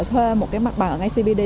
thuê một cái mặt bằng ở ngay cbd